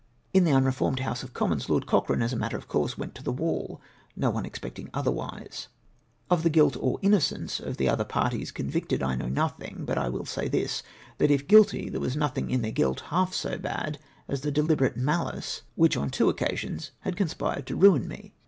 In the unreformed House of Commons Lord Cochrane, as a matter of course, went to the wall, no one expecting otherwise. Of the guilt or innocence of the other parties con victed I know nothiug, but this I will say, that, if guilty, there was nothing in their guilt half so bad as the deli VAIN ATTEMPTS TO GET MY CASE REHEARD. 383 berate malice wliich on two occasions had conspired to niin me.